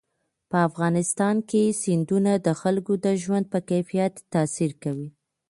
په افغانستان کې سیندونه د خلکو د ژوند په کیفیت تاثیر کوي.